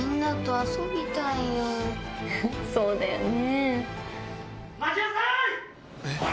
そうだよね。